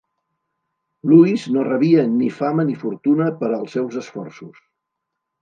Lewis no rebia ni fama ni fortuna per als seus esforços.